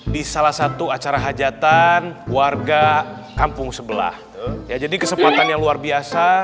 di salah satu acara hajatan warga kampung sebelah ya jadi kesempatan yang luar biasa